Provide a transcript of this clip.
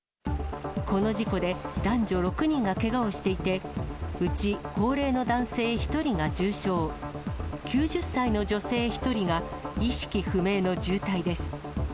この事故で、男女６人がけがをしていて、うち高齢の男性１人が重傷、９０歳の女性１人が意識不明の重体です。